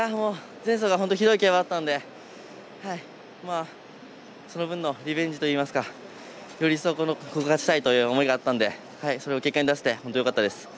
前走が、ひどい競馬だったんで、その分のリベンジといいますか勝ちたいという思いがありましたのでそれを結果に出せて本当によかったです。